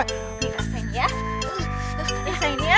dikasih ini ya disini ya